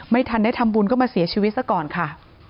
ไม่ทันได้ทำบุญก็มาเสียชีวิตซะก่อนค่ะ